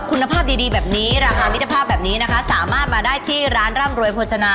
คุณภาพดีแบบนี้ราคามิตรภาพแบบนี้นะคะสามารถมาได้ที่ร้านร่ำรวยโภชนา